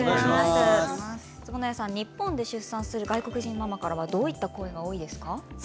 日本で出産する外国人ママからはどういった声が多いですか？